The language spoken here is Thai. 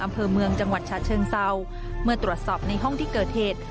อำเภอเมืองจังหวัดฉะเชิงเศร้าเมื่อตรวจสอบในห้องที่เกิดเหตุ